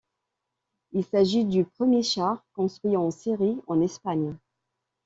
Il s'agit du premier char construit en série en Espagne.